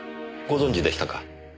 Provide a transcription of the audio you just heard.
ご存じでしたか？